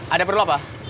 ada perlop ah